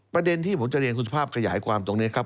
ประเด็นที่ผมจะเรียนคุณสุภาพขยายความตรงนี้ครับ